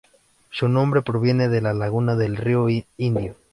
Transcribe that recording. Su nombre proviene de la laguna del Río Indio.